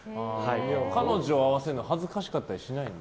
彼女を会わせるの恥ずかしかったりしないの？